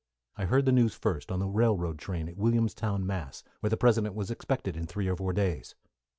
I heard the news first on the railroad train at Williamstown, Mass., where the President was expected in three or four days.